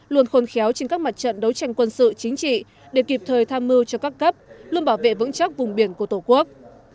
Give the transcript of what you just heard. luôn khôn khéo trên các mặt trận đấu tranh quân sự chính trị để kịp thời tham mưu cho các cấp luôn bảo vệ vững chắc vùng biển của tổ quốc